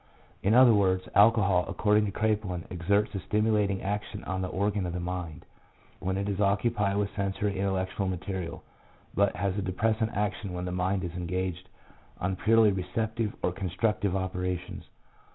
In other words, alcohol, according to Kraepelin, exerts a 4 stimulating' action on the organ of the mind when it is occupied with sensory intellectual material, but has a depressant action when the mind is engaged on purely receptive or constructive operations.